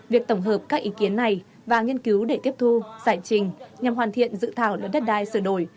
việc tổng hợp các ý kiến này và nghiên cứu để tiếp thu giải trình nhằm hoàn thiện dự thảo luật đất đai sửa đổi